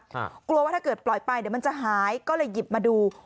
กลัวว่าถ้าเกิดปล่อยไปเดี๋ยวมันจะหายก็เลยหยิบมาดู